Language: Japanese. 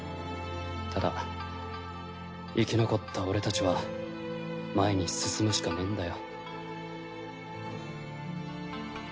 ただ生き残った俺たちは前に進むしかねぇんだよ。